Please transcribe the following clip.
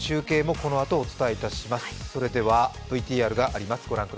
このあとお伝えします。